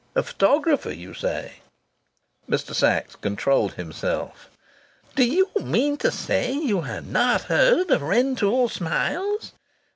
"A photographer, you say?" Mr. Sachs controlled himself. "Do you mean to say you've not heard of Rentoul Smiles?...